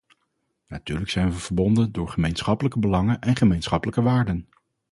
Natuurlijk zijn we verbonden door gemeenschappelijke belangen en gemeenschappelijke waarden.